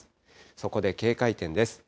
そこで警戒点です。